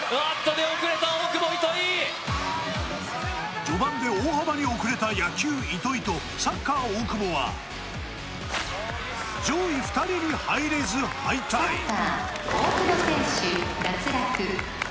出遅れた大久保糸井序盤で大幅に遅れた野球・糸井とサッカー・大久保は上位２人に入れず敗退さあ